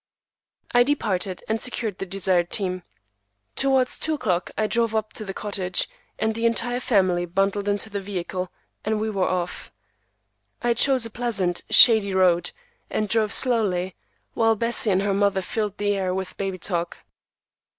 I departed, and secured the desired "team." Towards two o'clock I drove up to the cottage, and the entire family bundled into the vehicle, and we were off. I chose a pleasant, shady road, and drove slowly, while Bessie and her mother filled the air with baby talk.